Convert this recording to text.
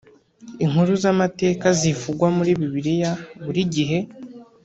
Inkuru z amateka zivugwa muri Bibiliya buri gihe